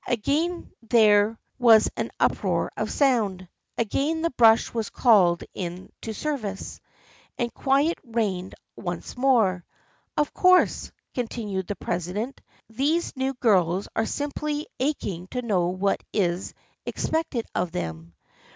" Again there was an uproar of sound. Again the brush was called into service, and quiet reigned once more. " Of course," continued the president, " these new girls are simply aching to know what is ex pected of them.